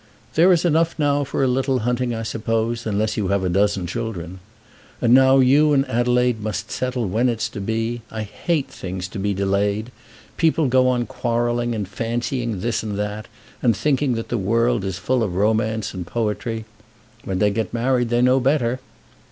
"There is enough now for a little hunting, I suppose, unless you have a dozen children. And now you and Adelaide must settle when it's to be. I hate things to be delayed. People go on quarrelling and fancying this and that, and thinking that the world is full of romance and poetry. When they get married they know better."